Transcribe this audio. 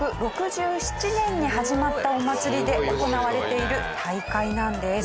１２６７年に始まったお祭りで行われている大会なんです。